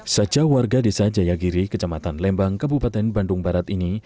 saja warga desa jayagiri kecamatan lembang kabupaten bandung barat ini